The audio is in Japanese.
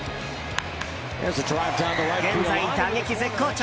現在、打撃絶好調！